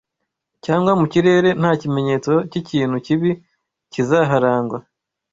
cyangwa mu kirere nta kimenyetso cy’ikintu kibi kizaharangwa